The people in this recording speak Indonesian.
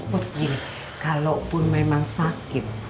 put gini kalau pun memang sakit